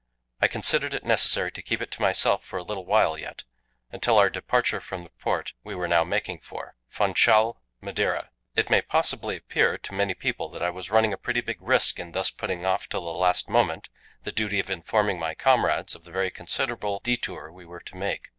I considered it necessary to keep it to myself for a little while yet until our departure from the port we were now making for: Funchal, Madeira. It may possibly appear to many people that I was running a pretty big risk in thus putting off till the last moment the duty of informing my comrades of the very considerable détour we were to make.